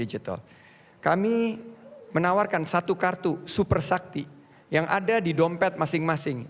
kami menawarkan satu kartu super sakti yang ada di dompet masing masing